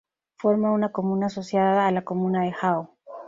Forma una comuna asociada a la comuna de Hao.